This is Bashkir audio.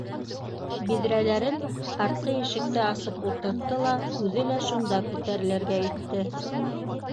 Биҙрәләрен артҡы ишекте асып ултыртты ла үҙе лә шунда күтәрелергә итте